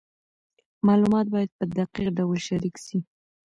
معلومات باید په دقیق ډول شریک سي.